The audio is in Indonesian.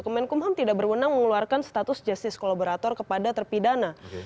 kemenkumham tidak berwenang mengeluarkan status justice kolaborator kepada terpidana